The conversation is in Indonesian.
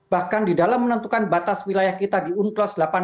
bahkan di dalam menentukan batas wilayah kita di unclos delapan puluh delapan